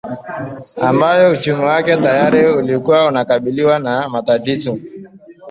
ambayo uchumi wake tayari ulikua unakabiliwa na matatizo